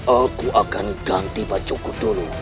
aku akan ganti bajuku dulu